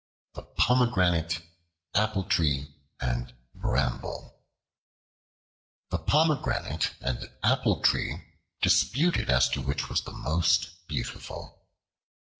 The Pomegranate, Apple Tree, and Bramble THE POMEGRANATE and Apple Tree disputed as to which was the most beautiful.